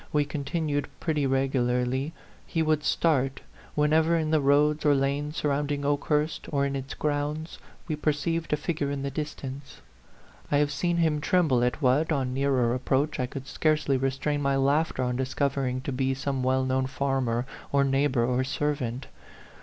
107 we continued pretty regularly, he would start whenever in the roads or lanes sur rounding Okehurst, or in its grounds, we perceived a figure in the distance. I have seen him tremble at what, on Dearer ap proach, I could scarcely restrain my laughter on discovering to be some well known farm er or neighbor or servant.